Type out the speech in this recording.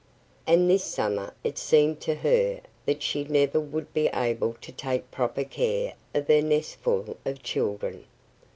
And this summer it seemed to her that she never would be able to take proper care of her nestful of children.